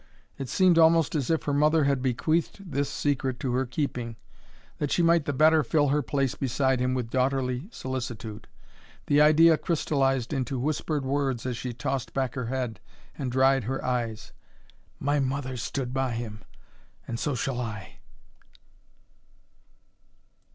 It seemed almost as if her mother had bequeathed this secret to her keeping that she might the better fill her place beside him with daughterly solicitude. The idea crystallized into whispered words as she tossed back her head and dried her eyes, "My mother stood by him, and so shall I!"